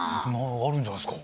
あるんじゃないですか。